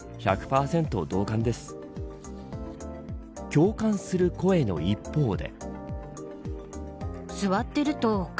共感する声の一方で。